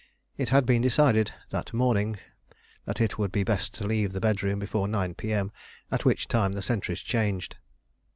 It had been decided that morning that it would be best to leave the bedroom before 9 P.M., at which time the sentries changed.